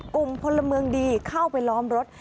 กลุ่มพลเมืองดีเข้าไปล้อมรถ